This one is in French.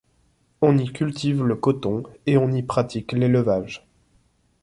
On y cultive le coton et on y pratique l'élevage.